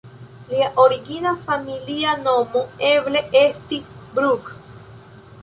Lia origina familia nomo eble estis "Bruck"?